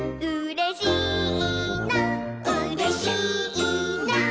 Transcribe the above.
「うれしいな」